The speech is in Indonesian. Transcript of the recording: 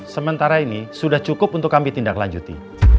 sementara ini sudah cukup untuk kami tindak lanjuti